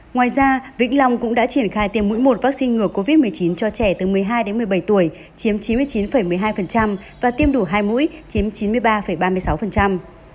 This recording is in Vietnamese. ngoài ra vĩnh long cũng đã triển khai tiêm mũi một vaccine ngừa covid một mươi chín cho trẻ từ một mươi hai đến một mươi bảy tuổi chiếm chín mươi chín một mươi hai và tiêm đủ hai mũi chiếm chín mươi ba ba mươi sáu